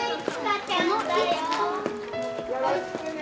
よろしくね。